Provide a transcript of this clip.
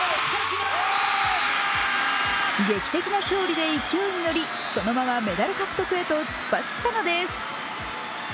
劇的な勝利で勢いに乗りそのままメダル獲得へと突っ走ったのです。